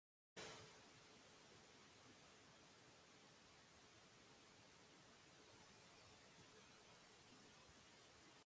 Lenin கிராடிலுள்ள tsar மாளிகை பெரியது அழகியது.